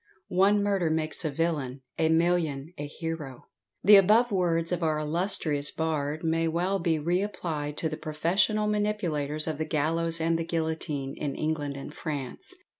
"One murder makes a villain, a million a hero." The above words of our illustrious bard may well be re applied to the professional manipulators of the gallows and the guillotine, in England and France.